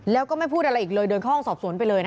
แล้วก็ไม่พูดอะไรอีกเลยเดินเข้าห้องสอบสวนไปเลยนะ